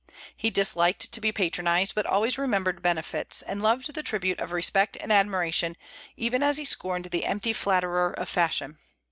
He disliked to be patronized, but always remembered benefits, and loved the tribute of respect and admiration, even as he scorned the empty flatterer of fashion.